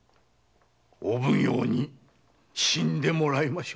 お奉行に死んでもらいましょう。